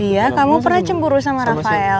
iya kamu pernah cemburu sama rafael